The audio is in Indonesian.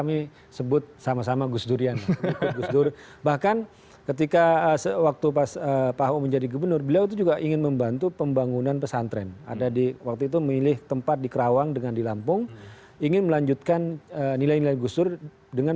masuk di btp foundation